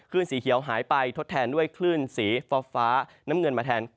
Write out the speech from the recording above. สีเขียวหายไปทดแทนด้วยคลื่นสีฟ้าน้ำเงินมาแทน